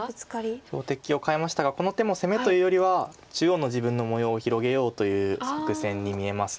標的を変えましたがこの手も攻めというよりは中央の自分の模様を広げようという作戦に見えます。